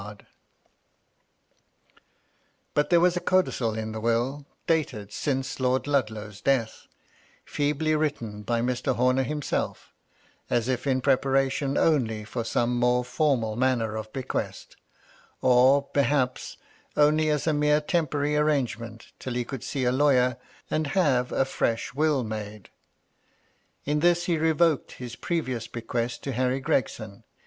272 MY LADY LUDLOW, But there was a codicil to the will, dated since Lord Ludlow's death — ^feebly written by Mr. Homer himself, as if in preparation only for some more formal manner of bequest; or, perhaps, only as a mere temporary arrangement till he could see a lawyer, and have a fresh will made. In this he revoked his previous bequest to Harry Gregson.